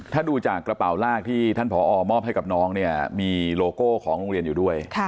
ถ้าดูจากกระเป๋าลากที่ท่านผอมอบให้กับน้องเนี่ยมีโลโก้ของโรงเรียนอยู่ด้วย